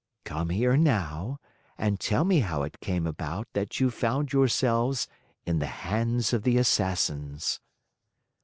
"Come here now and tell me how it came about that you found yourself in the hands of the Assassins."